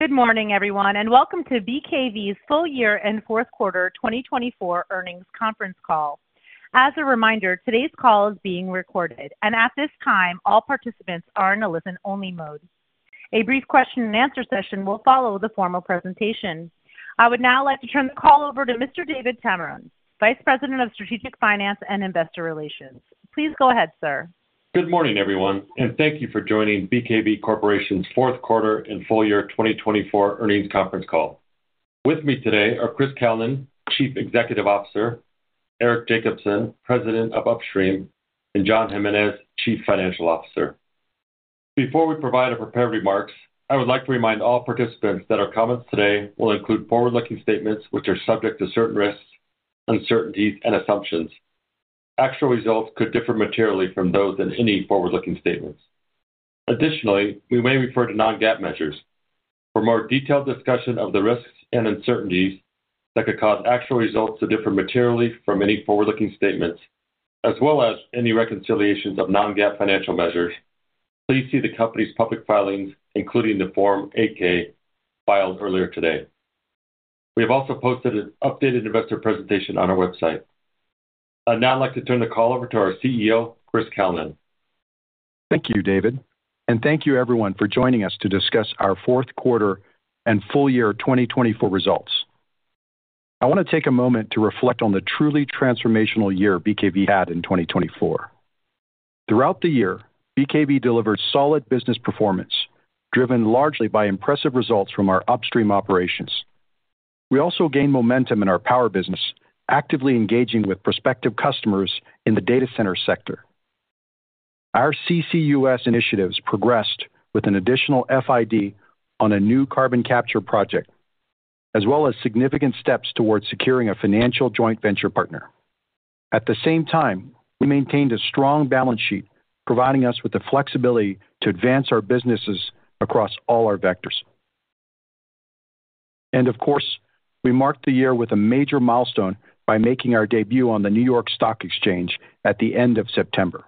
Good morning, everyone, and welcome to BKV's full year and fourth quarter 2024 earnings conference call. As a reminder, today's call is being recorded, and at this time, all participants are in a listen-only mode. A brief question-and-answer session will follow the formal presentation. I would now like to turn the call over to Mr. David Tameron, Vice President of Strategic Finance and Investor Relations. Please go ahead, sir. Good morning, everyone, and thank you for joining BKV Corporation's fourth quarter and full year 2024 earnings conference call. With me today are Chris Kalnin, Chief Executive Officer, Eric Jacobsen, President of Upstream, and John Jimenez, Chief Financial Officer. Before we provide our prepared remarks, I would like to remind all participants that our comments today will include forward-looking statements which are subject to certain risks, uncertainties, and assumptions. Actual results could differ materially from those in any forward-looking statements. Additionally, we may refer to non-GAAP measures. For more detailed discussion of the risks and uncertainties that could cause actual results to differ materially from any forward-looking statements, as well as any reconciliations of non-GAAP financial measures, please see the company's public filings, including the Form 8-K filed earlier today. We have also posted an updated investor presentation on our website. I'd now like to turn the call over to our CEO, Chris Kalnin. Thank you, David, and thank you, everyone, for joining us to discuss our fourth quarter and full year 2024 results. I want to take a moment to reflect on the truly transformational year BKV had in 2024. Throughout the year, BKV delivered solid business performance, driven largely by impressive results from our upstream operations. We also gained momentum in our power business, actively engaging with prospective customers in the data center sector. Our CCUS initiatives progressed with an additional FID on a new carbon capture project, as well as significant steps towards securing a financial joint venture partner. At the same time, we maintained a strong balance sheet, providing us with the flexibility to advance our businesses across all our vectors. Of course, we marked the year with a major milestone by making our debut on the New York Stock Exchange at the end of September.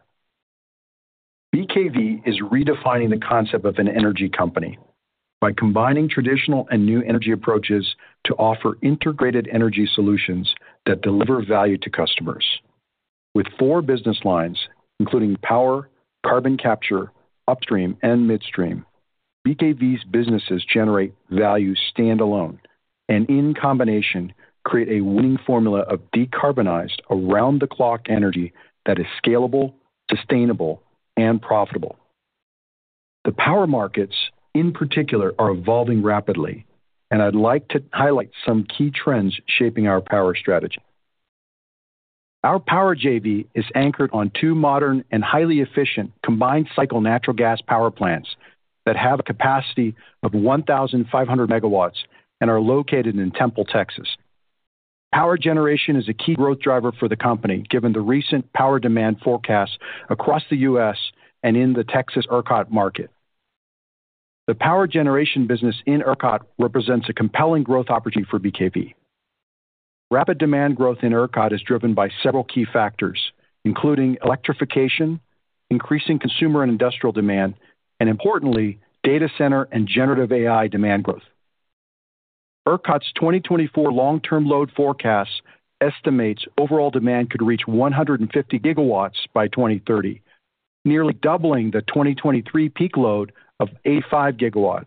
BKV is redefining the concept of an energy company by combining traditional and new energy approaches to offer integrated energy solutions that deliver value to customers. With four business lines, including power, carbon capture, upstream, and midstream, BKV's businesses generate value standalone and, in combination, create a winning formula of decarbonized around-the-clock energy that is scalable, sustainable, and profitable. The power markets, in particular, are evolving rapidly, and I'd like to highlight some key trends shaping our power strategy. Our Power JV is anchored on two modern and highly efficient combined-cycle natural gas power plants that have a capacity of 1,500 MW and are located in Temple, Texas. Power generation is a key growth driver for the company, given the recent power demand forecasts across the U.S. and in the Texas ERCOT market. The power generation business in ERCOT represents a compelling growth opportunity for BKV. Rapid demand growth in ERCOT is driven by several key factors, including electrification, increasing consumer and industrial demand, and, importantly, data center and generative AI demand growth. ERCOT's 2024 long-term load forecast estimates overall demand could reach 150 GW by 2030, nearly doubling the 2023 peak load of 85 GW,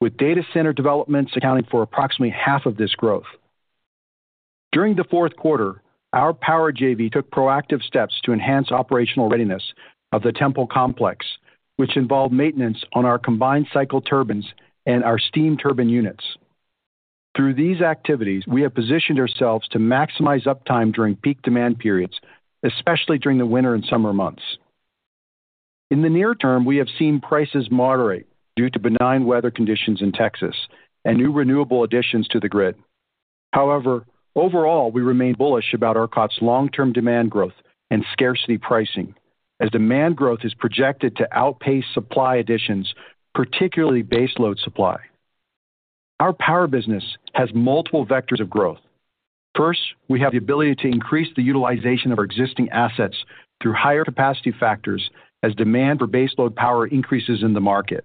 with data center developments accounting for approximately half of this growth. During the fourth quarter, our Power JV took proactive steps to enhance operational readiness of the Temple complex, which involved maintenance on our combined-cycle turbines and our steam turbine units. Through these activities, we have positioned ourselves to maximize uptime during peak demand periods, especially during the winter and summer months. In the near term, we have seen prices moderate due to benign weather conditions in Texas and new renewable additions to the grid. However, overall, we remain bullish about ERCOT's long-term demand growth and scarcity pricing, as demand growth is projected to outpace supply additions, particularly base load supply. Our power business has multiple vectors of growth. First, we have the ability to increase the utilization of our existing assets through higher capacity factors as demand for base load power increases in the market.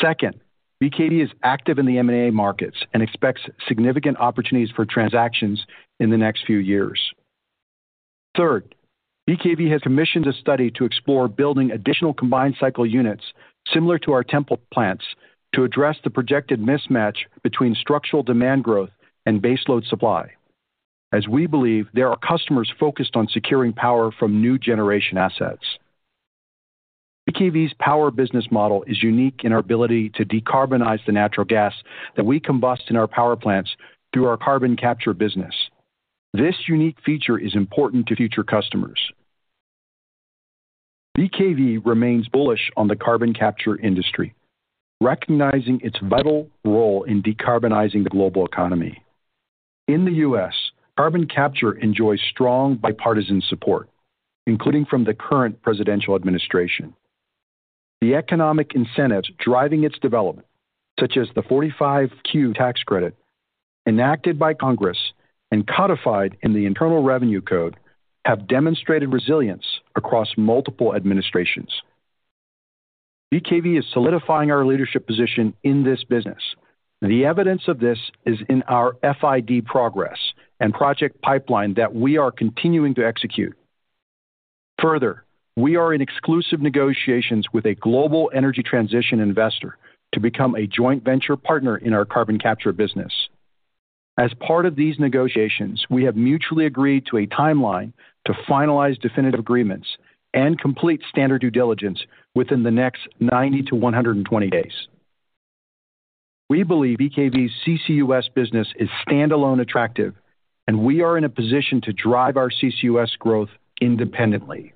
Second, BKV is active in the M&A markets and expects significant opportunities for transactions in the next few years. Third, BKV has commissioned a study to explore building additional combined-cycle units similar to our Temple plants to address the projected mismatch between structural demand growth and base load supply, as we believe there are customers focused on securing power from new generation assets. BKV's power business model is unique in our ability to decarbonize the natural gas that we combust in our power plants through our carbon capture business. This unique feature is important to future customers. BKV remains bullish on the carbon capture industry, recognizing its vital role in decarbonizing the global economy. In the U.S., carbon capture enjoys strong bipartisan support, including from the current presidential administration. The economic incentives driving its development, such as the 45Q tax credit enacted by Congress and codified in the Internal Revenue Code, have demonstrated resilience across multiple administrations. BKV is solidifying our leadership position in this business. The evidence of this is in our FID progress and project pipeline that we are continuing to execute. Further, we are in exclusive negotiations with a global energy transition investor to become a joint venture partner in our carbon capture business. As part of these negotiations, we have mutually agreed to a timeline to finalize definitive agreements and complete standard due diligence within the next 90 days-120 days. We believe BKV's CCUS business is standalone attractive, and we are in a position to drive our CCUS growth independently.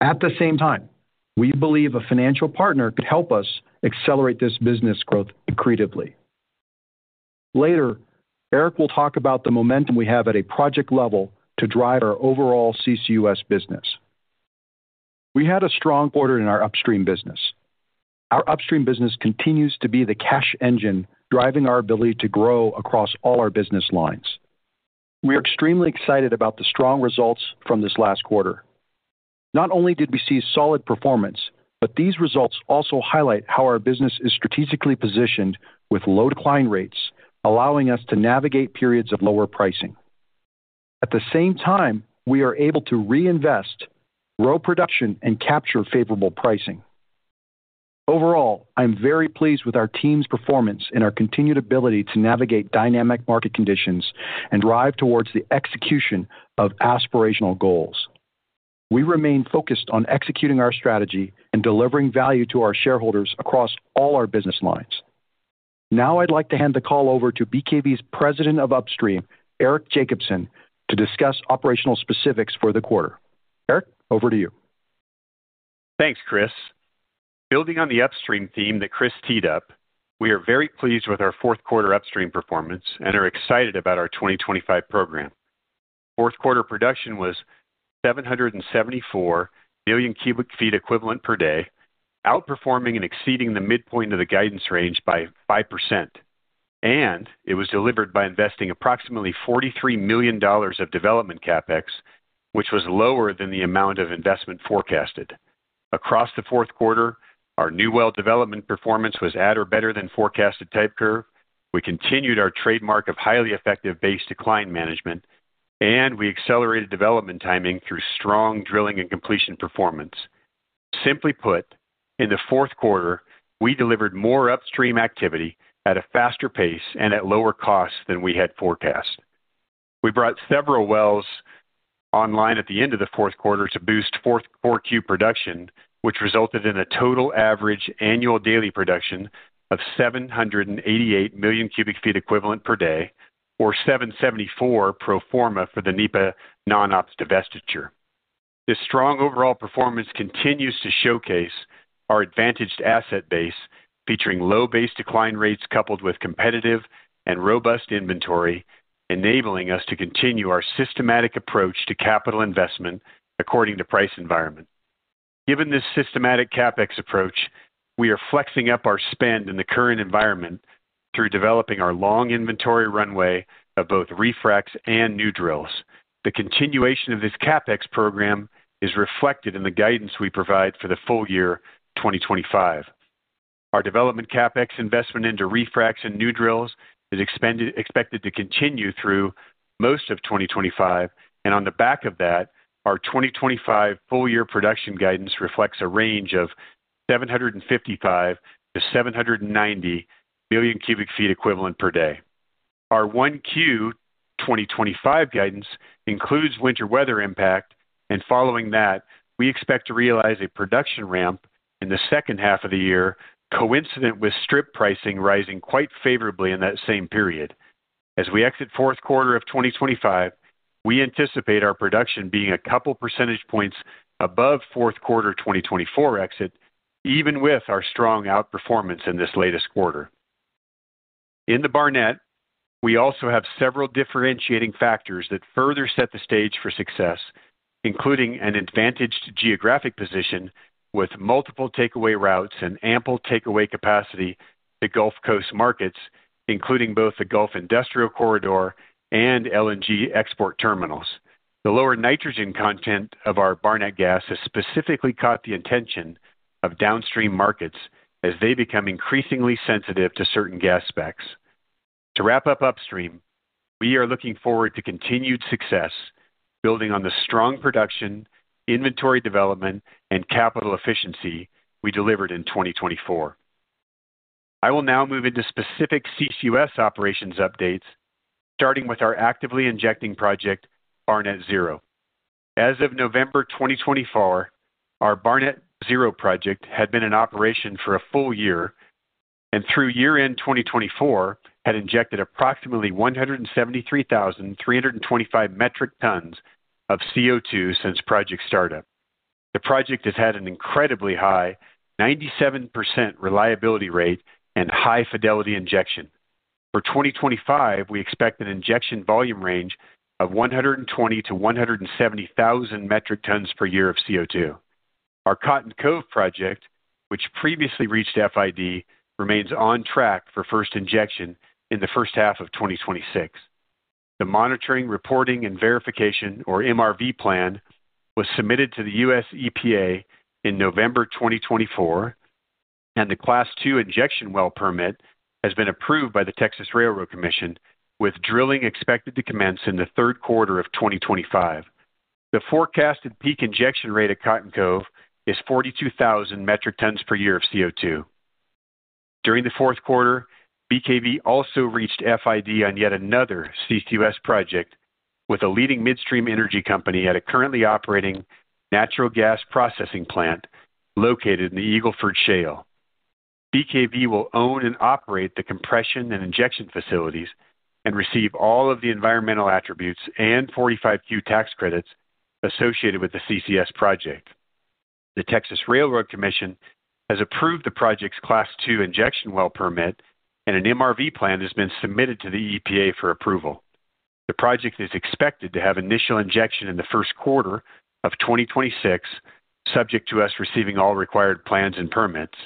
At the same time, we believe a financial partner could help us accelerate this business growth accretively. Later, Eric will talk about the momentum we have at a project level to drive our overall CCUS business. We had a strong quarter in our upstream business. Our upstream business continues to be the cash engine driving our ability to grow across all our business lines. We are extremely excited about the strong results from this last quarter. Not only did we see solid performance, but these results also highlight how our business is strategically positioned with low decline rates, allowing us to navigate periods of lower pricing. At the same time, we are able to reinvest, grow production, and capture favorable pricing. Overall, I'm very pleased with our team's performance and our continued ability to navigate dynamic market conditions and drive towards the execution of aspirational goals. We remain focused on executing our strategy and delivering value to our shareholders across all our business lines. Now, I'd like to hand the call over to BKV's President of Upstream, Eric Jacobsen, to discuss operational specifics for the quarter. Eric, over to you. Thanks, Chris. Building on the upstream theme that Chris teed up, we are very pleased with our fourth quarter upstream performance and are excited about our 2025 program. Fourth quarter production was 774 million cu ft equivalent per day, outperforming and exceeding the midpoint of the guidance range by 5%. It was delivered by investing approximately $43 million of development CapEx, which was lower than the amount of investment forecasted. Across the fourth quarter, our new well development performance was at or better than forecasted type curve. We continued our trademark of highly effective base decline management, and we accelerated development timing through strong drilling and completion performance. Simply put, in the fourth quarter, we delivered more upstream activity at a faster pace and at lower costs than we had forecast. We brought several wells online at the end of the fourth quarter to boost fourth quarter production, which resulted in a total average annual daily production of 788 million cu ft equivalent per day, or 774 pro forma for the NEPA non-ops divestiture. This strong overall performance continues to showcase our advantaged asset base, featuring low base decline rates coupled with competitive and robust inventory, enabling us to continue our systematic approach to capital investment according to price environment. Given this systematic CapEx approach, we are flexing up our spend in the current environment through developing our long inventory runway of both refracs and new drills. The continuation of this CapEx program is reflected in the guidance we provide for the full year 2025. Our development CapEx investment into refracs and new drills is expected to continue through most of 2025, and on the back of that, our 2025 full year production guidance reflects a range of 755 million cu ft-790 million cu ft equivalent per day. Our 1Q 2025 guidance includes winter weather impact, and following that, we expect to realize a production ramp in the second half of the year, coincident with strip pricing rising quite favorably in that same period. As we exit fourth quarter of 2025, we anticipate our production being a couple percentage points above fourth quarter 2024 exit, even with our strong outperformance in this latest quarter. In the Barnett, we also have several differentiating factors that further set the stage for success, including an advantaged geographic position with multiple takeaway routes and ample takeaway capacity to Gulf Coast markets, including both the Gulf Industrial Corridor and LNG export terminals. The lower nitrogen content of our Barnett gas has specifically caught the attention of downstream markets as they become increasingly sensitive to certain gas specs. To wrap up upstream, we are looking forward to continued success, building on the strong production, inventory development, and capital efficiency we delivered in 2024. I will now move into specific CCUS operations updates, starting with our actively injecting project Barnett Zero. As of November 2024, our Barnett Zero project had been in operation for a full year and through year-end 2024 had injected approximately 173,325 metric tons of CO2 since project startup. The project has had an incredibly high 97% reliability rate and high fidelity injection. For 2025, we expect an injection volume range of 120,000 metric tons-170,000 metric tons per year of CO2. Our Cotton Cove project, which previously reached FID, remains on track for first injection in the first half of 2026. The monitoring, reporting, and verification, or MRV plan, was submitted to the U.S. EPA in November 2024, and the Class II injection well permit has been approved by the Texas Railroad Commission, with drilling expected to commence in the third quarter of 2025. The forecasted peak injection rate at Cotton Cove is 42,000 metric tons per year of CO2. During the fourth quarter, BKV also reached FID on yet another CCUS project with a leading midstream energy company at a currently operating natural gas processing plant located in the Eagle Ford Shale. BKV will own and operate the compression and injection facilities and receive all of the environmental attributes and 45Q tax credits associated with the CCUS project. The Railroad Commission of Texas has approved the project's Class II injection well permit, and an MRV plan has been submitted to the EPA for approval. The project is expected to have initial injection in the first quarter of 2026, subject to us receiving all required plans and permits,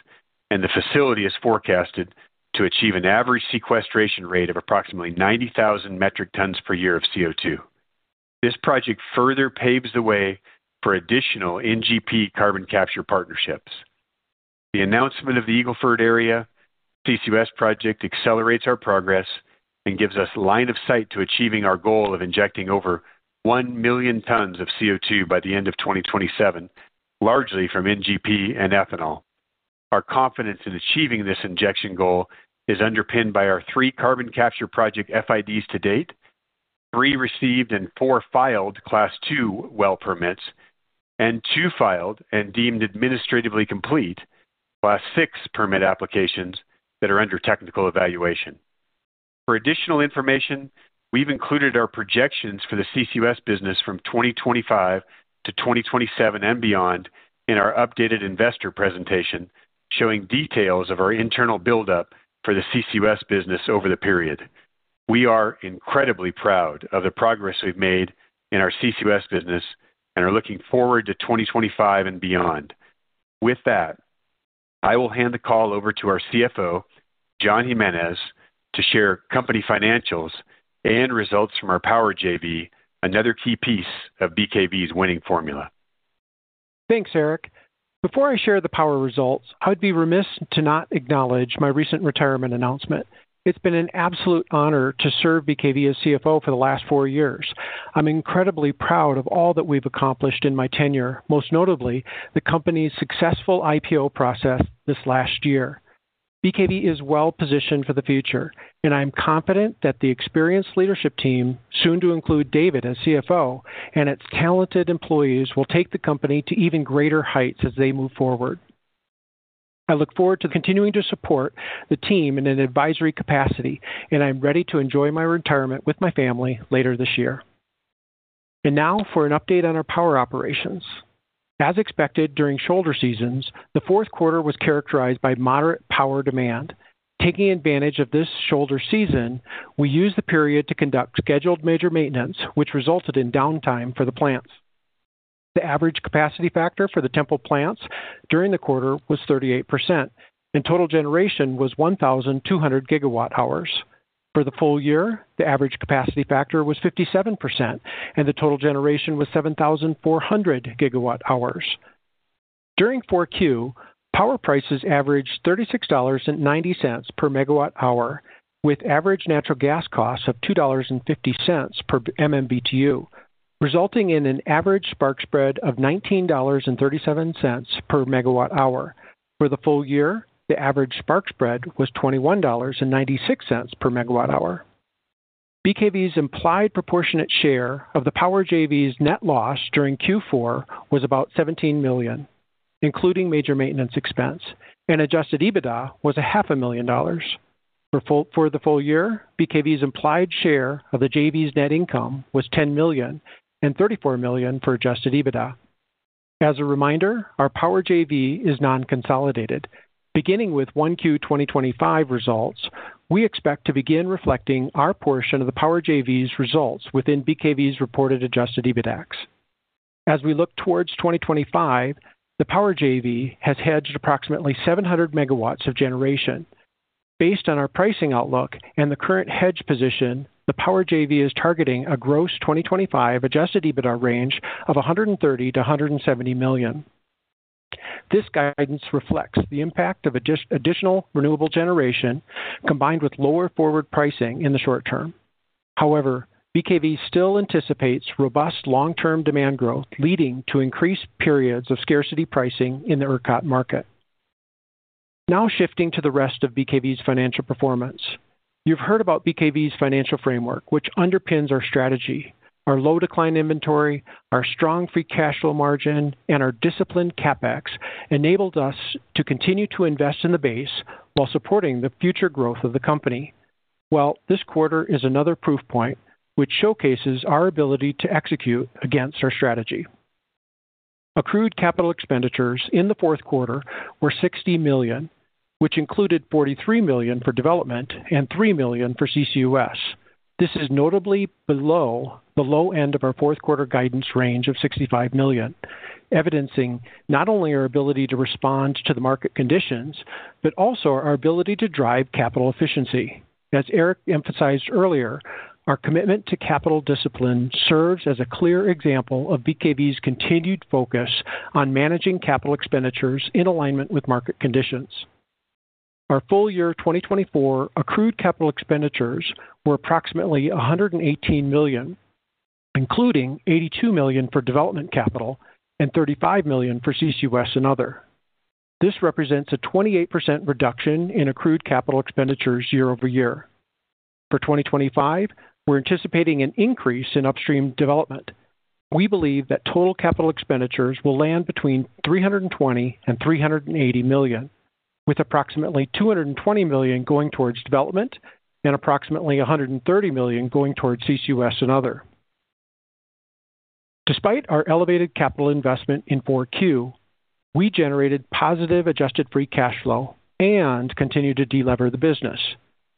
and the facility is forecasted to achieve an average sequestration rate of approximately 90,000 metric tons per year of CO2. This project further paves the way for additional NGP carbon capture partnerships. The announcement of the Eagle Ford area CCUS project accelerates our progress and gives us line of sight to achieving our goal of injecting over 1 million tons of CO2 by the end of 2027, largely from NGP and ethanol. Our confidence in achieving this injection goal is underpinned by our three carbon capture project FIDs to date, three received and four filed Class II well permits, and two filed and deemed administratively complete Class VI permit applications that are under technical evaluation. For additional information, we've included our projections for the CCUS business from 2025 to 2027 and beyond in our updated investor presentation, showing details of our internal buildup for the CCUS business over the period. We are incredibly proud of the progress we've made in our CCUS business and are looking forward to 2025 and beyond. With that, I will hand the call over to our CFO, John Jimenez, to share company financials and results from our Power JV, another key piece of BKV's winning formula. Thanks, Eric. Before I share the power results, I'd be remiss to not acknowledge my recent retirement announcement. It's been an absolute honor to serve BKV as CFO for the last four years. I'm incredibly proud of all that we've accomplished in my tenure, most notably the company's successful IPO process this last year. BKV is well positioned for the future, and I'm confident that the experienced leadership team, soon to include David as CFO and its talented employees, will take the company to even greater heights as they move forward. I look forward to continuing to support the team in an advisory capacity, and I'm ready to enjoy my retirement with my family later this year. Now for an update on our power operations. As expected during shoulder seasons, the fourth quarter was characterized by moderate power demand. Taking advantage of this shoulder season, we used the period to conduct scheduled major maintenance, which resulted in downtime for the plants. The average capacity factor for the Temple plants during the quarter was 38%, and total generation was 1,200 GWh. For the full year, the average capacity factor was 57%, and the total generation was 7,400 GWh. During 4Q, power prices averaged $36.90 per MWh, with average natural gas costs of $2.50 per MMBtu, resulting in an average spark spread of $19.37 per MWh. For the full year, the average spark spread was $21.96 per MWh. BKV's implied proportionate share of the Power JV's net loss during Q4 was about $17 million, including major maintenance expense, and adjusted EBITDA was $500,000. For the full year, BKV's implied share of the JV's net income was $10 million and $34 million for adjusted EBITDA. As a reminder, our Power JV is non-consolidated. Beginning with 1Q 2025 results, we expect to begin reflecting our portion of the Power JV's results within BKV's reported adjusted EBITDA. As we look towards 2025, the Power JV has hedged approximately 700 MW of generation. Based on our pricing outlook and the current hedge position, the Power JV is targeting a gross 2025 adjusted EBITDA range of $130 million-$170 million. This guidance reflects the impact of additional renewable generation combined with lower forward pricing in the short term. However, BKV still anticipates robust long-term demand growth leading to increased periods of scarcity pricing in the ERCOT market. Now shifting to the rest of BKV's financial performance. You've heard about BKV's financial framework, which underpins our strategy. Our low decline inventory, our strong free cash flow margin, and our disciplined CapEx enabled us to continue to invest in the base while supporting the future growth of the company. This quarter is another proof point, which showcases our ability to execute against our strategy. Accrued capital expenditures in the fourth quarter were $60 million, which included $43 million for development and $3 million for CCUS. This is notably below the low end of our fourth quarter guidance range of $65 million, evidencing not only our ability to respond to the market conditions, but also our ability to drive capital efficiency. As Eric emphasized earlier, our commitment to capital discipline serves as a clear example of BKV's continued focus on managing capital expenditures in alignment with market conditions. Our full year 2024 accrued capital expenditures were approximately $118 million, including $82 million for development capital and $35 million for CCUS and other. This represents a 28% reduction in accrued capital expenditures year-over-year. For 2025, we're anticipating an increase in upstream development. We believe that total capital expenditures will land between $320 million and $380 million, with approximately $220 million going towards development and approximately $130 million going towards CCUS and other. Despite our elevated capital investment in 4Q, we generated positive adjusted free cash flow and continued to delever the business.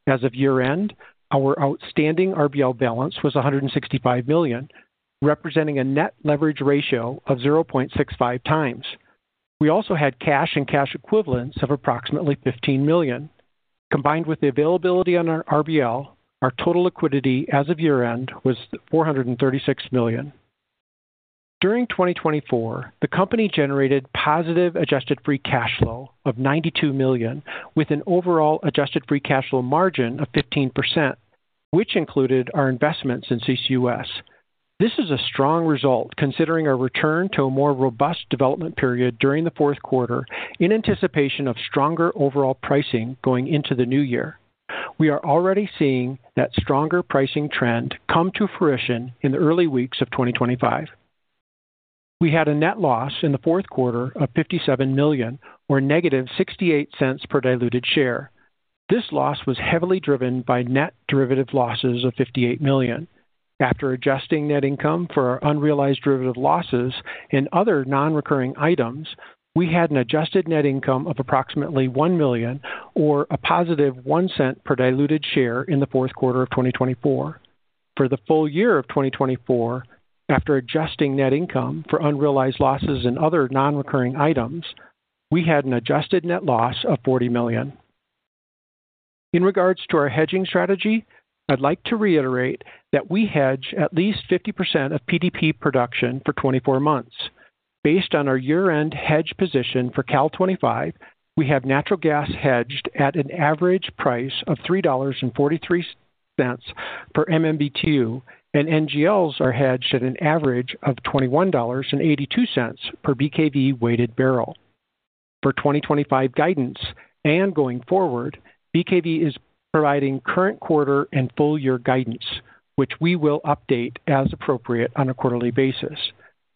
As of year-end, our outstanding RBL balance was $165 million, representing a net leverage ratio of 0.65x. We also had cash and cash equivalents of approximately $15 million. Combined with the availability on our RBL, our total liquidity as of year-end was $436 million. During 2024, the company generated positive adjusted free cash flow of $92 million, with an overall adjusted free cash flow margin of 15%, which included our investments in CCUS. This is a strong result considering our return to a more robust development period during the fourth quarter in anticipation of stronger overall pricing going into the new year. We are already seeing that stronger pricing trend come to fruition in the early weeks of 2025. We had a net loss in the fourth quarter of $57 million, or -$0.68 per diluted share. This loss was heavily driven by net derivative losses of $58 million. After adjusting net income for unrealized derivative losses and other non-recurring items, we had an adjusted net income of approximately $1 million, or a +$0.01 per diluted share in the fourth quarter of 2024. For the full year of 2024, after adjusting net income for unrealized losses and other non-recurring items, we had an adjusted net loss of $40 million. In regards to our hedging strategy, I'd like to reiterate that we hedge at least 50% of PDP production for 24 months. Based on our year-end hedge position for Cal25, we have natural gas hedged at an average price of $3.43 per MMBtu, and NGLs are hedged at an average of $21.82 per BKV weighted barrel. For 2025 guidance and going forward, BKV is providing current quarter and full year guidance, which we will update as appropriate on a quarterly basis.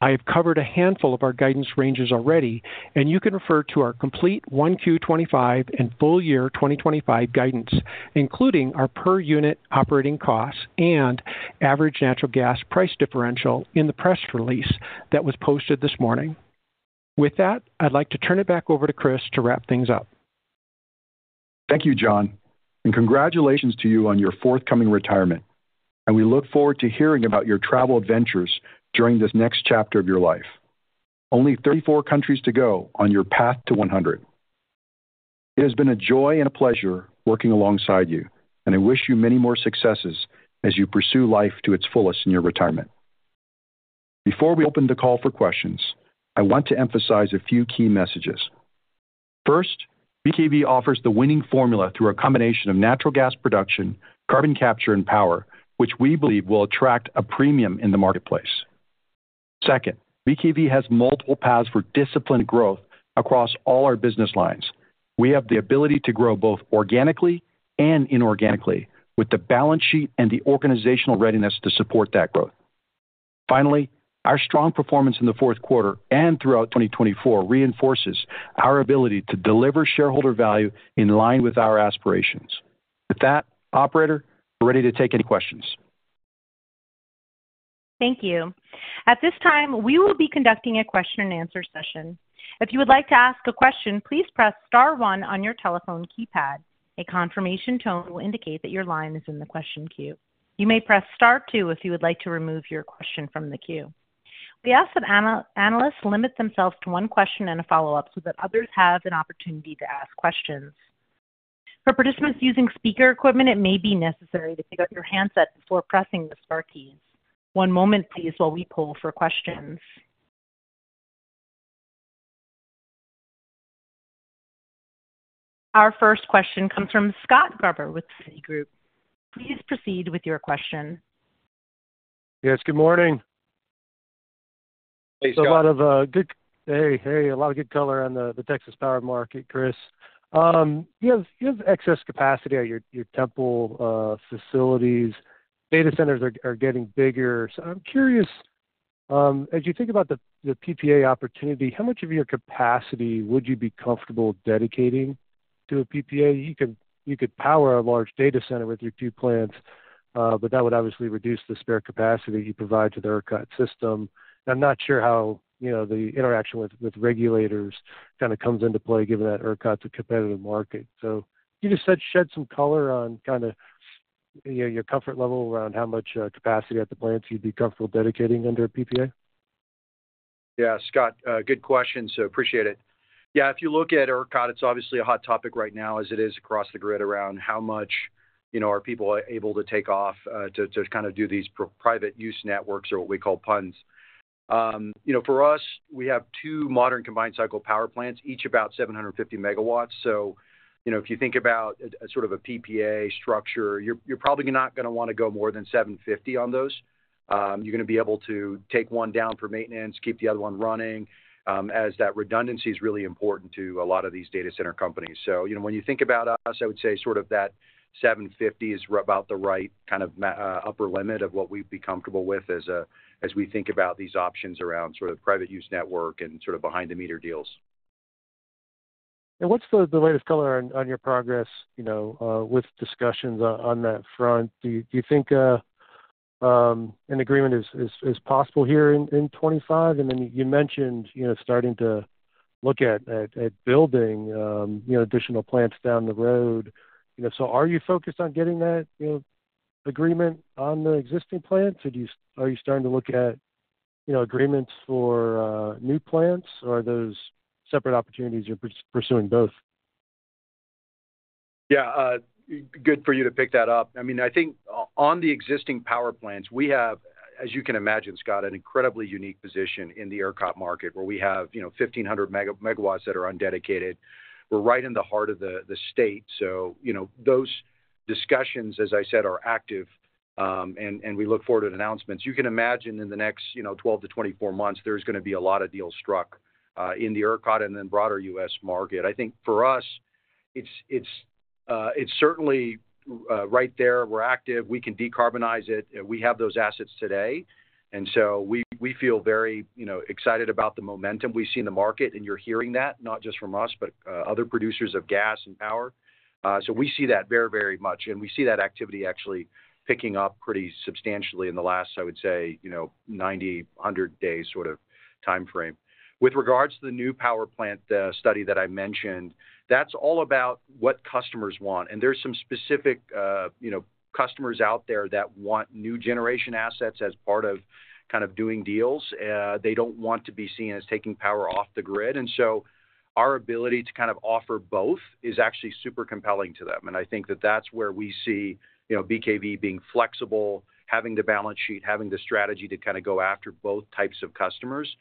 I have covered a handful of our guidance ranges already, and you can refer to our complete 1Q 2025 and full year 2025 guidance, including our per unit operating costs and average natural gas price differential in the press release that was posted this morning. With that, I'd like to turn it back over to Chris to wrap things up. Thank you, John, and congratulations to you on your forthcoming retirement. We look forward to hearing about your travel adventures during this next chapter of your life. Only 34 countries to go on your path to 100. It has been a joy and a pleasure working alongside you, and I wish you many more successes as you pursue life to its fullest in your retirement. Before we open the call for questions, I want to emphasize a few key messages. First, BKV offers the winning formula through a combination of natural gas production, carbon capture, and power, which we believe will attract a premium in the marketplace. Second, BKV has multiple paths for disciplined growth across all our business lines. We have the ability to grow both organically and inorganically, with the balance sheet and the organizational readiness to support that growth. Finally, our strong performance in the fourth quarter and throughout 2024 reinforces our ability to deliver shareholder value in line with our aspirations. With that, operator, we're ready to take any questions. Thank you. At this time, we will be conducting a question and answer session. If you would like to ask a question, please press star one on your telephone keypad. A confirmation tone will indicate that your line is in the question queue. You may press star two if you would like to remove your question from the queue. We ask that analysts limit themselves to one question and a follow-up so that others have an opportunity to ask questions. For participants using speaker equipment, it may be necessary to pick up your handset before pressing the star keys. One moment, please, while we pull for questions. Our first question comes from Scott Gruber with Citigroup. Please proceed with your question. Yes, good morning. Hey, Scott. Hey, hey, a lot of good color on the Texas power market, Chris. You have excess capacity at your Temple facilities. Data centers are getting bigger. So I'm curious, as you think about the PPA opportunity, how much of your capacity would you be comfortable dedicating to a PPA? You could power a large data center with your two plants, but that would obviously reduce the spare capacity you provide to the ERCOT system. I'm not sure how the interaction with regulators kind of comes into play, given that ERCOT's a competitive market. So can you just shed some color on kind of your comfort level around how much capacity at the plants you'd be comfortable dedicating under a PPA? Yeah, Scott, good question. So, appreciate it. Yeah, if you look at ERCOT, it's obviously a hot topic right now, as it is across the grid around how much are people able to take off to kind of do these private use networks, or what we call PUNs. For us, we have two modern combined cycle power plants, each about 750 MW. So if you think about sort of a PPA structure, you're probably not going to want to go more than 750 on those. You're going to be able to take one down for maintenance, keep the other one running, as that redundancy is really important to a lot of these data center companies. When you think about us, I would say sort of that 750 is about the right kind of upper limit of what we'd be comfortable with as we think about these options around sort of private use network and sort of behind-the-meter deals. What's the latest color on your progress with discussions on that front? Do you think an agreement is possible here in 2025? You mentioned starting to look at building additional plants down the road. Are you focused on getting that agreement on the existing plants, or are you starting to look at agreements for new plants, or are those separate opportunities you're pursuing both? Yeah, good for you to pick that up. I mean, I think on the existing power plants, we have, as you can imagine, Scott, an incredibly unique position in the ERCOT market, where we have 1,500 MW that are undedicated. We're right in the heart of the state. So those discussions, as I said, are active, and we look forward to announcements. You can imagine in the next 12 months-24 months, there's going to be a lot of deals struck in the ERCOT and then broader U.S. market. I think for us, it's certainly right there. We're active. We can decarbonize it. We have those assets today. So we feel very excited about the momentum we see in the market, and you're hearing that not just from us, but other producers of gas and power. So we see that very, very much, and we see that activity actually picking up pretty substantially in the last, I would say, 90, 100-day sort of time frame. With regards to the new power plant study that I mentioned, that's all about what customers want. There's some specific customers out there that want new generation assets as part of kind of doing deals. They don't want to be seen as taking power off the grid. So our ability to kind of offer both is actually super compelling to them. I think that that's where we see BKV being flexible, having the balance sheet, having the strategy to kind of go after both types of customers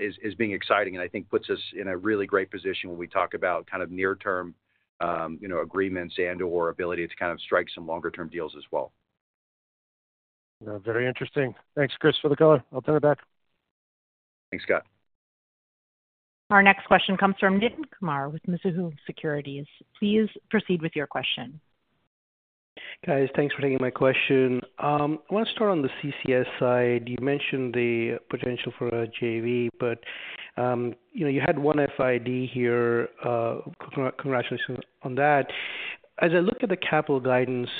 is being exciting. I think puts us in a really great position when we talk about kind of near-term agreements and/or ability to kind of strike some longer-term deals as well. Yeah, very interesting. Thanks, Chris, for the color. I'll turn it back. Thanks, Scott. Our next question comes from Nitin Kumar with Mizuho Securities. Please proceed with your question. Guys, thanks for taking my question. I want to start on the CCUS side. You mentioned the potential for a JV, but you had one FID here. Congratulations on that. As I look at the capital guidance,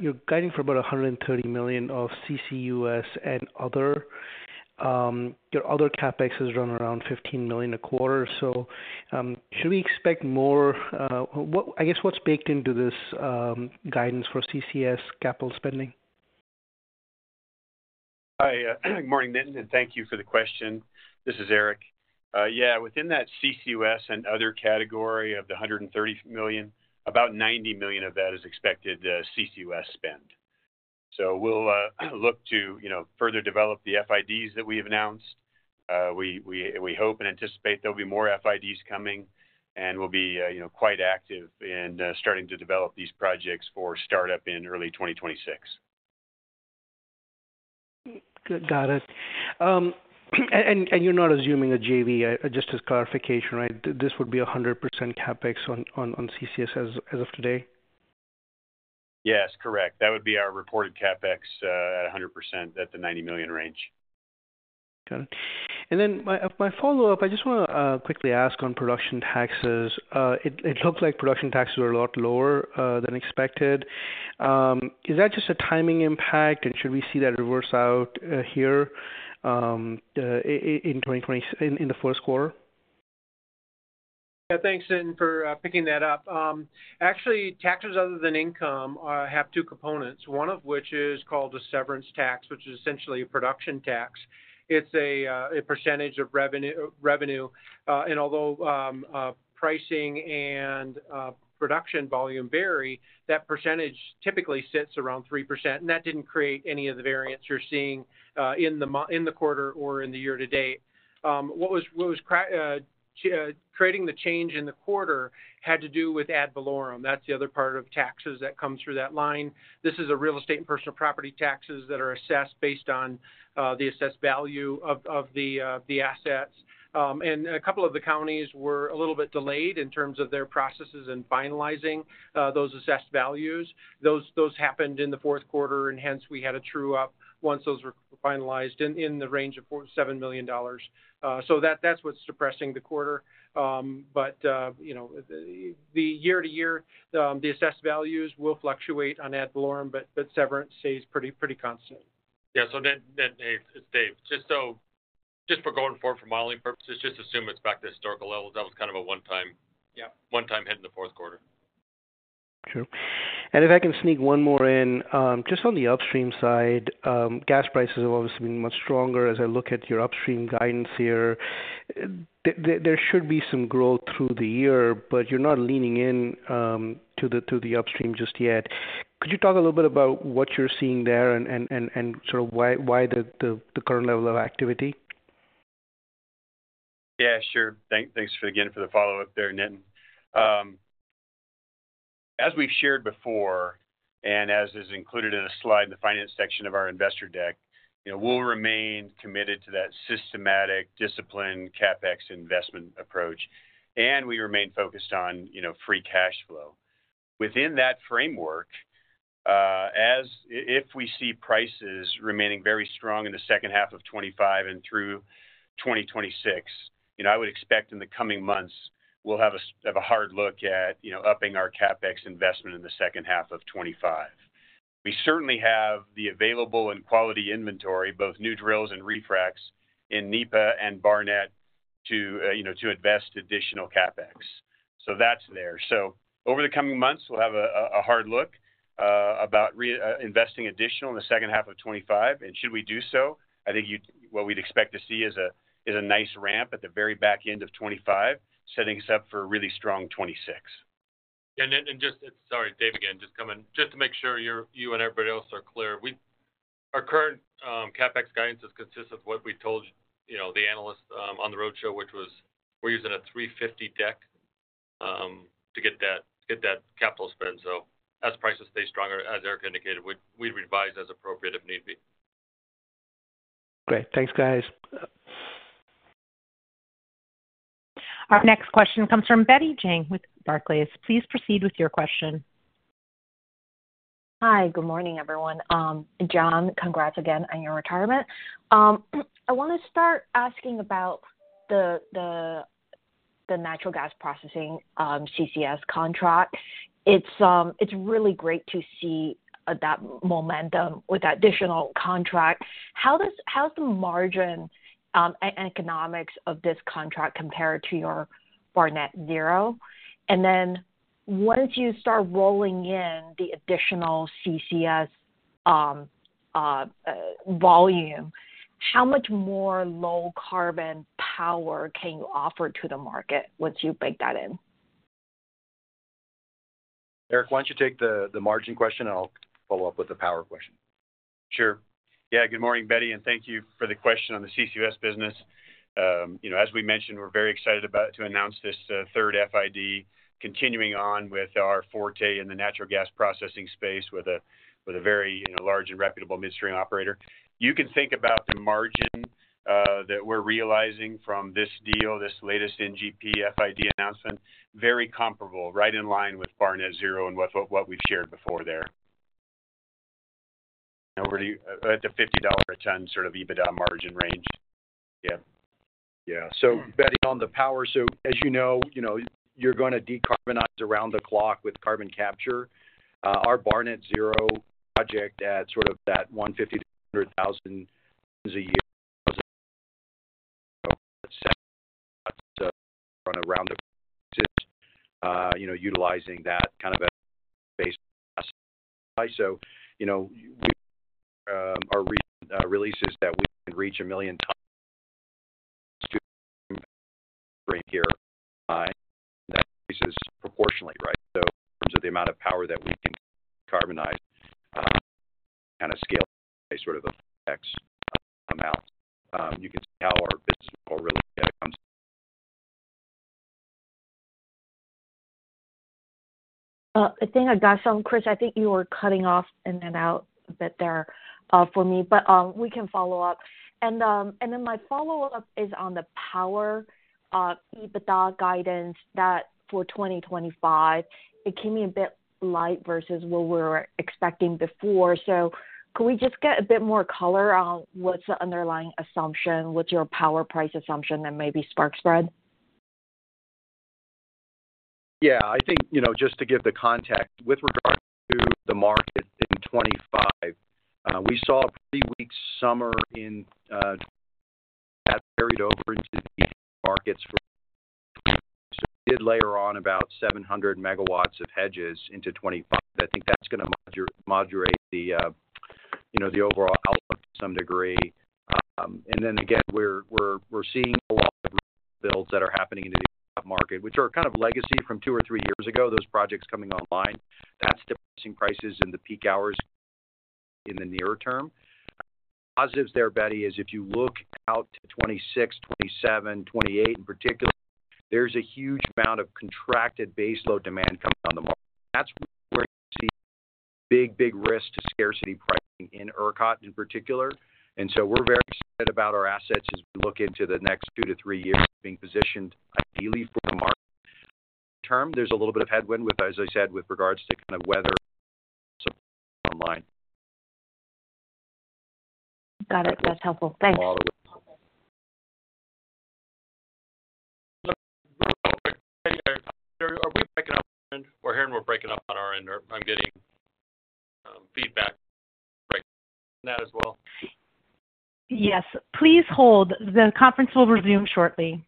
you're guiding for about $130 million of CCUS and other. Your other CapEx has run around $15 million a quarter. So should we expect more? I guess what's baked into this guidance for CCUS capital spending? Hi, good morning, Nitin, and thank you for the question. This is Eric. Yeah, within that CCUS and other category of the $130 million, about $90 million of that is expected CCUS spend. So we'll look to further develop the FIDs that we have announced. We hope and anticipate there'll be more FIDs coming, and we'll be quite active in starting to develop these projects for startup in early 2026. Got it. And you're not assuming a JV, just as clarification, right? This would be 100% CapEx on CCUS as of today? Yes, correct. That would be our reported CapEx at 100% at the $90 million range. Got it. Then my follow-up, I just want to quickly ask on production taxes. It looked like production taxes were a lot lower than expected. Is that just a timing impact, and should we see that reverse out here in the first quarter? Yeah, thanks, Nitin, for picking that up. Actually, taxes other than income have two components, one of which is called a severance tax, which is essentially a production tax. It's a percentage of revenue. And although pricing and production volume vary, that percentage typically sits around 3%. And that didn't create any of the variance you're seeing in the quarter or in the year to date. What was creating the change in the quarter had to do with ad valorem. That's the other part of taxes that comes through that line. This is real estate and personal property taxes that are assessed based on the assessed value of the assets. A couple of the counties were a little bit delayed in terms of their processes in finalizing those assessed values. Those happened in the fourth quarter, and hence we had a true-up once those were finalized in the range of $7 million, so that's what's suppressing the quarter, but the year to year, the assessed values will fluctuate on ad valorem, but severance stays pretty constant. Yeah, Dave, just for going forward for modeling purposes, just assume it's back to historical levels. That was kind of a one-time hit in the fourth quarter. Sure. If I can sneak one more in, just on the upstream side, gas prices have obviously been much stronger. As I look at your upstream guidance here, there should be some growth through the year, but you're not leaning into the upstream just yet. Could you talk a little bit about what you're seeing there and sort of why the current level of activity? Yeah, sure. Thanks again for the follow-up there, Nitin. As we've shared before and as is included in a slide in the finance section of our investor deck, we'll remain committed to that systematic, disciplined CapEx investment approach, and we remain focused on free cash flow. Within that framework, if we see prices remaining very strong in the second half of 2025 and through 2026, I would expect in the coming months we'll have a hard look at upping our CapEx investment in the second half of 2025. We certainly have the available and quality inventory, both new drills and refracs in NEPA and Barnett, to invest additional CapEx. So that's there. So over the coming months, we'll have a hard look about investing additional in the second half of 2025. Should we do so, I think what we'd expect to see is a nice ramp at the very back end of 2025, setting us up for a really strong 2026. Just, sorry, Dave again, just to make sure you and everybody else are clear, our current CapEx guidance consists of what we told the analysts on the roadshow, which was we're using a $350 deck to get that capital spend. So as prices stay stronger, as Eric indicated, we'd revise as appropriate if need be. Great. Thanks, guys. Our next question comes from Betty Jiang with Barclays. Please proceed with your question. Hi, good morning, everyone. John, congrats again on your retirement. I want to start asking about the natural gas processing CCUS contract. It's really great to see that momentum with the additional contract. How's the margin and economics of this contract compared to your Barnett Zero? And then once you start rolling in the additional CCUS volume, how much more low-carbon power can you offer to the market once you bake that in? Eric, why don't you take the margin question, and I'll follow up with the power question. Sure. Yeah, good morning, Betty, and thank you for the question on the CCUS business. As we mentioned, we're very excited to announce this third FID, continuing on with our forte in the natural gas processing space with a very large and reputable midstream operator. You can think about the margin that we're realizing from this deal, this latest NGP FID announcement, very comparable, right in line with Barnett Zero and what we've shared before there. At the $50 a ton sort of EBITDA margin range. Yeah. Yeah. So betting on the power. So as you know, you're going to decarbonize around the clock with carbon capture. Our Barnett Zero project at sort of that 150,000 tons a year is around the use, utilizing that kind of a basic gas. So our releases that we can reach a million tons of CO2 stream here, and that increases proportionally, right? So in terms of the amount of power that we can decarbonize, kind of scale by sort of a X amount. You can see how our business model really comes. The thing I got on, Chris, I think you were cutting off and then out a bit there for me, but we can follow up. Then my follow-up is on the power EBITDA guidance for 2025. It came in a bit light versus what we were expecting before. So could we just get a bit more color on what's the underlying assumption? What's your power price assumption and maybe spark spread? Yeah. I think just to give the context, with regard to the market in 2025, we saw a pretty weak summer in 2024 that carried over into the markets. So we did layer on about 700 MW of hedges into 2025. I think that's going to moderate the overall outlook to some degree. And then again, we're seeing a lot of rebuilds that are happening in the market, which are kind of legacy from two or three years ago, those projects coming online. That's the pricing prices in the peak hours in the near term. Positives there, Betty, is if you look out to 2026, 2027, 2028 in particular, there's a huge amount of contracted baseload demand coming on the market. That's where you'll see big, big risk to scarcity pricing in ERCOT in particular. So we're very excited about our assets as we look into the next two to three years being positioned ideally for the market. Long term, there's a little bit of headwind, as I said, with regards to kind of weather supply online. Got it. That's helpful. Thanks. Are we breaking up on our end? We're hearing we're breaking up on our end. I'm getting feedback on that as well. Yes. Please hold. The conference will resume shortly.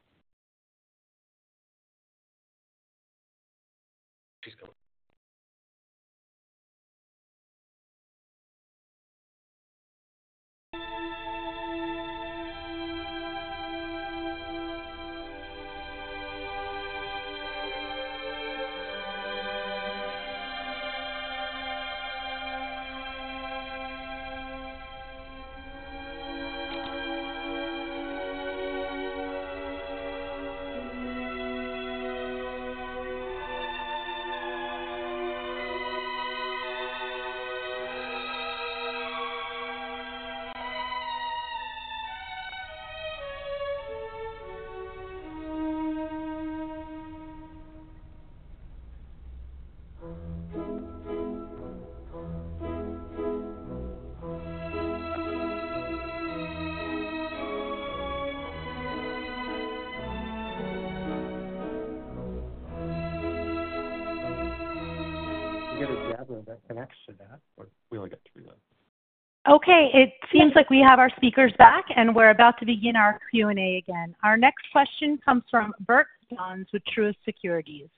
We got an extra nap, but we'll get through that. Okay. It seems like we have our speakers back, and we're about to begin our Q&A again. Our next question comes from Bert Donnes with Truist Securities.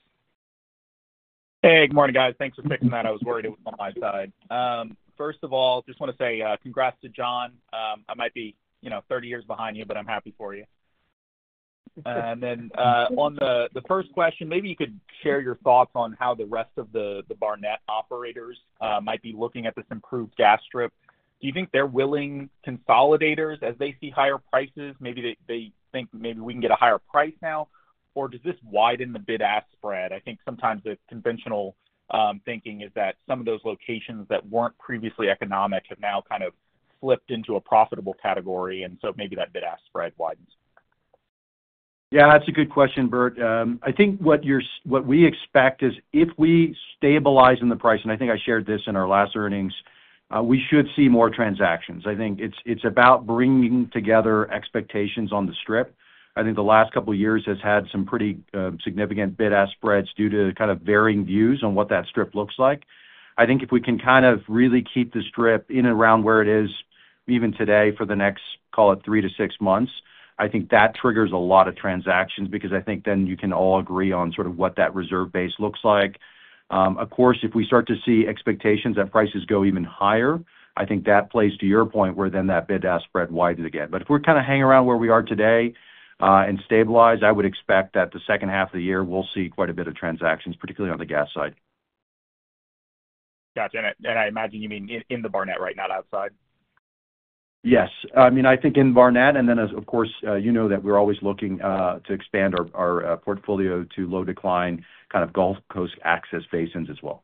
Hey, good morning, guys. Thanks for fixing that. I was worried it was on my side. First of all, just want to say congrats to John. I might be 30 years behind you, but I'm happy for you. And then on the first question, maybe you could share your thoughts on how the rest of the Barnett operators might be looking at this improved gas strip. Do you think they're willing consolidators as they see higher prices? Maybe they think maybe we can get a higher price now, or does this widen the bid-ask spread? I think sometimes the conventional thinking is that some of those locations that weren't previously economic have now kind of slipped into a profitable category, and so maybe that bid-ask spread widens. Yeah, that's a good question, Bert. I think what we expect is if we stabilize in the price, and I think I shared this in our last earnings, we should see more transactions. I think it's about bringing together expectations on the strip. I think the last couple of years has had some pretty significant bid-ask spreads due to kind of varying views on what that strip looks like. I think if we can kind of really keep the strip in and around where it is, even today, for the next, call it, three to six months, I think that triggers a lot of transactions because I think then you can all agree on sort of what that reserve base looks like. Of course, if we start to see expectations that prices go even higher, I think that plays, to your point, where then that bid-ask spread widens again. If we're kind of hanging around where we are today and stabilize, I would expect that the second half of the year, we'll see quite a bit of transactions, particularly on the gas side. Gotcha. I imagine you mean in the Barnett right now, not outside? Yes. I mean, I think in Barnett, and then, of course, you know that we're always looking to expand our portfolio to low-decline kind of Gulf Coast access basins as well.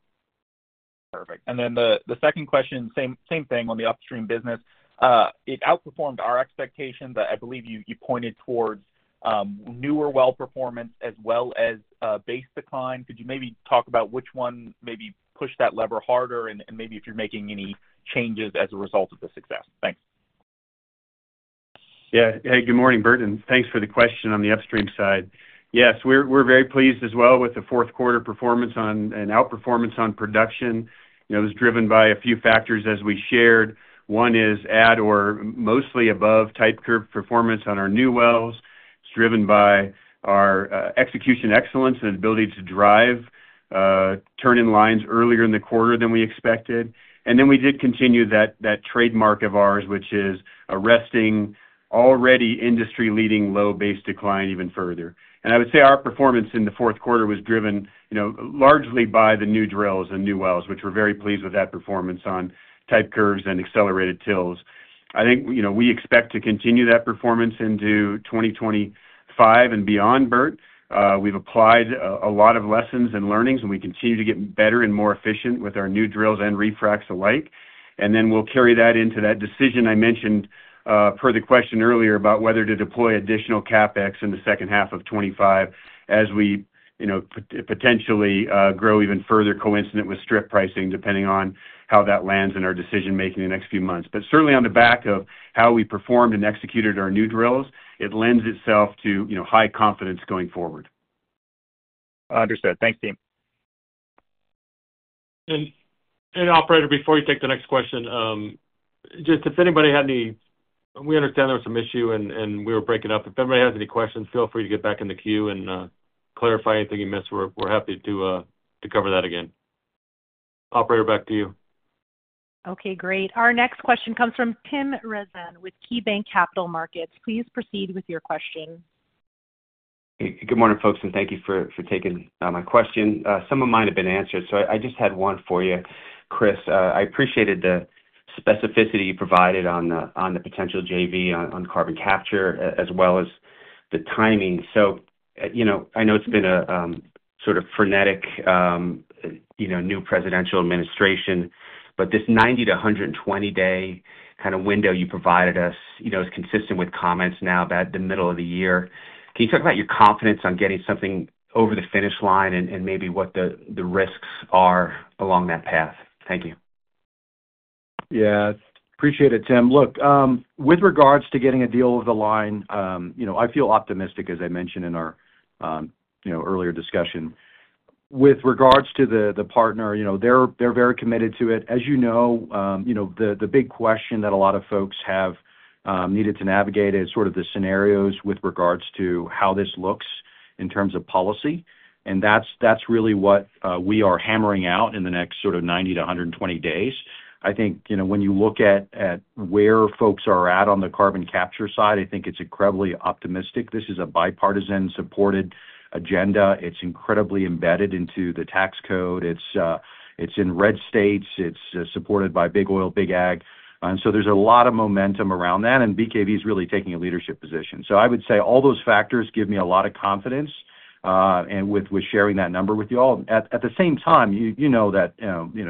Perfect. Then the second question, same thing on the upstream business. It outperformed our expectations that I believe you pointed towards newer well-performance as well as base decline. Could you maybe talk about which one maybe pushed that lever harder and maybe if you're making any changes as a result of the success? Thanks. Yeah. Hey, good morning, Bert. And thanks for the question on the Upstream side. Yes, we're very pleased as well with the fourth quarter performance and outperformance on production. It was driven by a few factors as we shared. One is and/or mostly above type curve performance on our new wells. It's driven by our execution excellence and ability to drive turn-in lines earlier in the quarter than we expected. Then we did continue that trademark of ours, which is arresting already industry-leading low base decline even further. I would say our performance in the fourth quarter was driven largely by the new drills and new wells, which we're very pleased with that performance on type curves and accelerated TILs. I think we expect to continue that performance into 2025 and beyond, Bert. We've applied a lot of lessons and learnings, and we continue to get better and more efficient with our new drills and refracts alike. Then we'll carry that into that decision I mentioned per the question earlier about whether to deploy additional CapEx in the second half of 2025 as we potentially grow even further, coincident with strip pricing, depending on how that lands in our decision-making in the next few months. Certainly on the back of how we performed and executed our new drills, it lends itself to high confidence going forward. Understood. Thanks, team. Operator, before you take the next question, just if anybody had any, we understand there was some issue and we were breaking up. If anybody has any questions, feel free to get back in the queue and clarify anything you missed. We're happy to cover that again. Operator, back to you. Okay, great. Our next question comes from Tim Rezvan with KeyBanc Capital Markets. Please proceed with your question. Good morning, folks, and thank you for taking my question. Some of mine have been answered, so I just had one for you. Chris, I appreciated the specificity you provided on the potential JV on carbon capture as well as the timing. So I know it's been a sort of frenetic new presidential administration, but this 90-day-120-day kind of window you provided us is consistent with comments now about the middle of the year. Can you talk about your confidence on getting something over the finish line and maybe what the risks are along that path? Thank you. Yeah. Appreciate it, Tim. Look, with regards to getting a deal over the line, I feel optimistic, as I mentioned in our earlier discussion. With regards to the partner, they're very committed to it. As you know, the big question that a lot of folks have needed to navigate is sort of the scenarios with regards to how this looks in terms of policy. That's really what we are hammering out in the next sort of 90 days-120 days. I think when you look at where folks are at on the carbon capture side, I think it's incredibly optimistic. This is a bipartisan-supported agenda. It's incredibly embedded into the tax code. It's in red states. It's supported by big oil, big ag. So there's a lot of momentum around that, and BKV is really taking a leadership position. So I would say all those factors give me a lot of confidence with sharing that number with you all. At the same time, you know that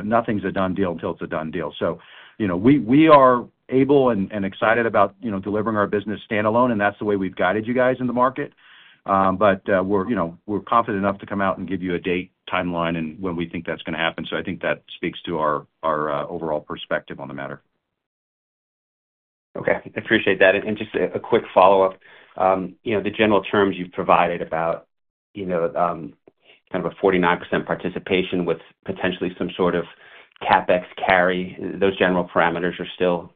nothing's a done deal until it's a done deal. So we are able and excited about delivering our business standalone, and that's the way we've guided you guys in the market. We're confident enough to come out and give you a date, timeline, and when we think that's going to happen. So I think that speaks to our overall perspective on the matter. Okay. I appreciate that. Just a quick follow-up. The general terms you've provided about kind of a 49% participation with potentially some sort of CapEx carry, those general parameters are still,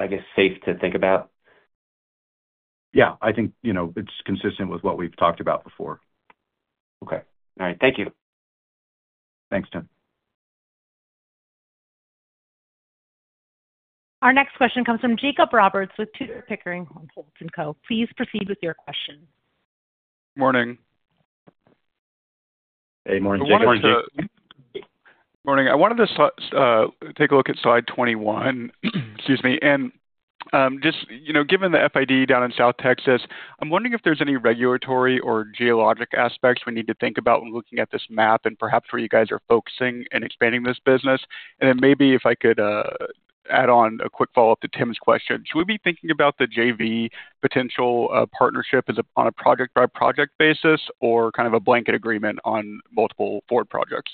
I guess, safe to think about? Yeah. I think it's consistent with what we've talked about before. Okay. All right. Thank you. Thanks, Tim. Our next question comes from Jake Roberts with Tudor, Pickering, Holt & Co. Please proceed with your question. Morning. Morning, Jake. Morning. I wanted to take a look at slide 21. Excuse me. Just given the FID down in South Texas, I'm wondering if there's any regulatory or geologic aspects we need to think about when looking at this map and perhaps where you guys are focusing and expanding this business. Then maybe if I could add on a quick follow-up to Tim's question, should we be thinking about the JV potential partnership on a project-by-project basis or kind of a blanket agreement on multiple forward projects?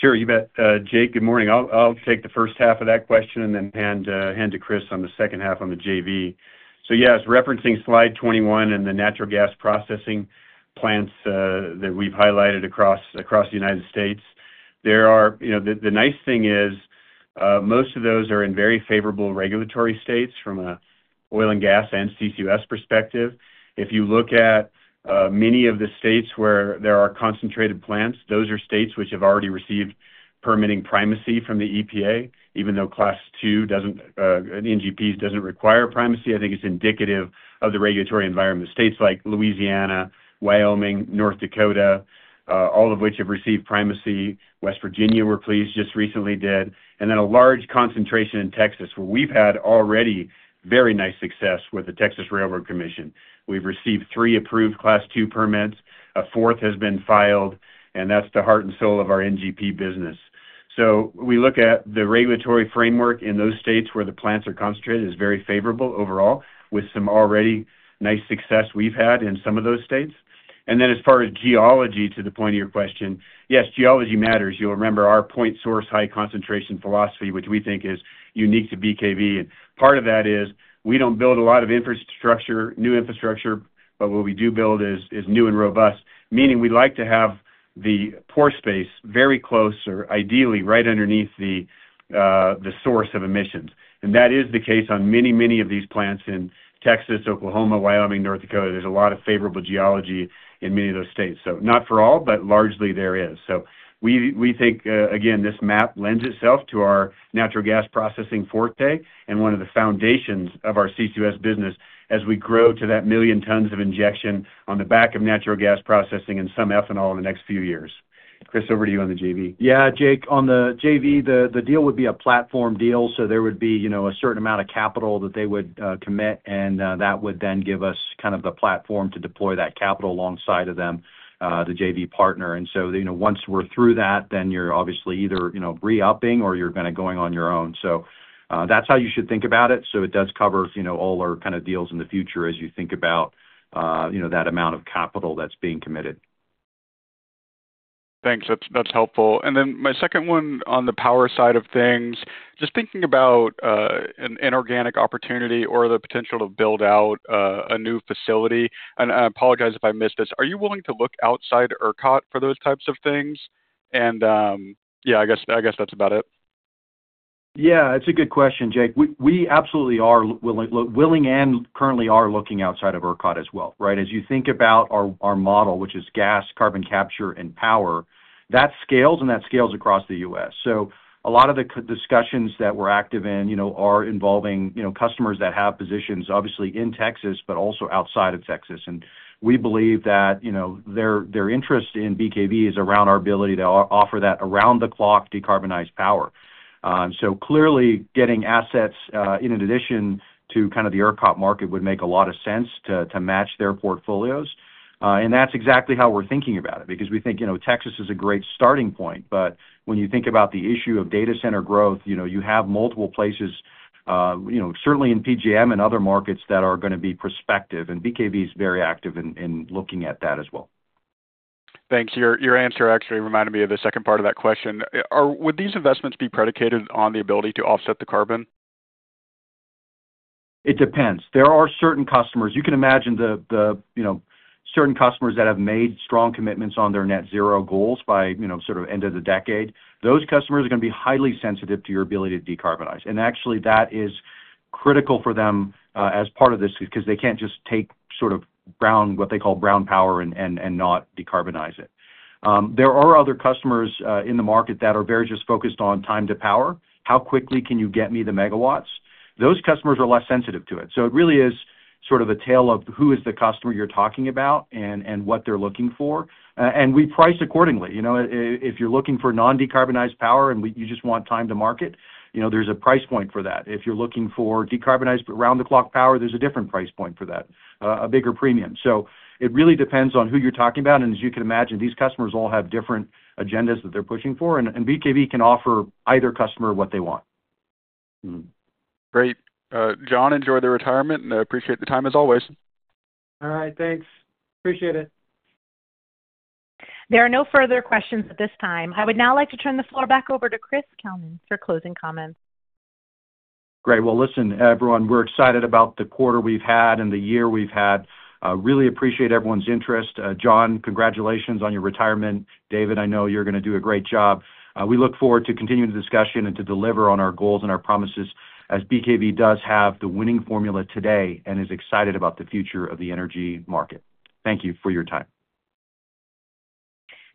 Sure. You bet. Jake, good morning. I'll take the first half of that question and then hand to Chris on the second half on the JV. So yes, referencing slide 21 and the natural gas processing plants that we've highlighted across the United States, the nice thing is most of those are in very favorable regulatory states from an oil and gas and CCUS perspective. If you look at many of the states where there are concentrated plants, those are states which have already received permitting primacy from the EPA, even though Class II NGPs doesn't require primacy. I think it's indicative of the regulatory environment. States like Louisiana, Wyoming, North Dakota, all of which have received primacy. West Virginia, we're pleased, just recently did. And then a large concentration in Texas where we've had already very nice success with the Railroad Commission of Texas. We've received three approved Class II permits. A fourth has been filed, and that's the heart and soul of our NGP business. So we look at the regulatory framework in those states where the plants are concentrated is very favorable overall, with some already nice success we've had in some of those states. Then as far as geology, to the point of your question, yes, geology matters. You'll remember our point source high concentration philosophy, which we think is unique to BKV. Part of that is we don't build a lot of new infrastructure, but what we do build is new and robust, meaning we'd like to have the pore space very close or ideally right underneath the source of emissions. That is the case on many, many of these plants in Texas, Oklahoma, Wyoming, North Dakota. There's a lot of favorable geology in many of those states. So not for all, but largely there is. So we think, again, this map lends itself to our natural gas processing forte and one of the foundations of our CCUS business as we grow to that million tons of injection on the back of natural gas processing and some ethanol in the next few years. Chris, over to you on the JV. Yeah, Jake, on the JV, the deal would be a platform deal. So there would be a certain amount of capital that they would commit, and that would then give us kind of the platform to deploy that capital alongside of them, the JV partner. So once we're through that, then you're obviously either re-upping or you're kind of going on your own. So that's how you should think about it. So it does cover all our kind of deals in the future as you think about that amount of capital that's being committed. Thanks. That's helpful. Then my second one on the power side of things, just thinking about an inorganic opportunity or the potential to build out a new facility. I apologize if I missed this. Are you willing to look outside ERCOT for those types of things? Yeah, I guess that's about it. Yeah. It's a good question, Jake. We absolutely are willing and currently are looking outside of ERCOT as well. Right? As you think about our model, which is gas, carbon capture, and power, that scales, and that scales across the U.S. So a lot of the discussions that we're active in are involving customers that have positions, obviously, in Texas, but also outside of Texas. And we believe that their interest in BKV is around our ability to offer that around-the-clock decarbonized power. So clearly, getting assets in addition to kind of the ERCOT market would make a lot of sense to match their portfolios. That's exactly how we're thinking about it because we think Texas is a great starting point. When you think about the issue of data center growth, you have multiple places, certainly in PJM and other markets, that are going to be prospective. BKV is very active in looking at that as well. Thanks. Your answer actually reminded me of the second part of that question. Would these investments be predicated on the ability to offset the carbon? It depends. There are certain customers. You can imagine the certain customers that have made strong commitments on their net zero goals by sort of end of the decade. Those customers are going to be highly sensitive to your ability to decarbonize. Actually, that is critical for them as part of this because they can't just take sort of what they call brown power and not decarbonize it. There are other customers in the market that are very just focused on time to power. How quickly can you get me the megawatts? Those customers are less sensitive to it. So it really is sort of a tale of who is the customer you're talking about and what they're looking for. We price accordingly. If you're looking for non-decarbonized power and you just want time to market, there's a price point for that. If you're looking for decarbonized round-the-clock power, there's a different price point for that, a bigger premium. So it really depends on who you're talking about. As you can imagine, these customers all have different agendas that they're pushing for. BKV can offer either customer what they want. Great. John, enjoy the retirement, and I appreciate the time as always. All right. Thanks. Appreciate it. There are no further questions at this time. I would now like to turn the floor back over to Chris Kalnin for closing comments. Great. Well, listen, everyone, we're excited about the quarter we've had and the year we've had. Really appreciate everyone's interest. John, congratulations on your retirement. David, I know you're going to do a great job. We look forward to continuing the discussion and to deliver on our goals and our promises as BKV does have the winning formula today and is excited about the future of the energy market. Thank you for your time.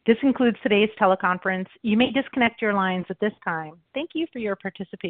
This concludes today's teleconference. You may disconnect your lines at this time. Thank you for your participation.